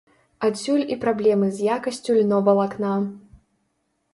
Адсюль і праблемы з якасцю льновалакна.